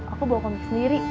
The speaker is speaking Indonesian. aku bawa komik sendiri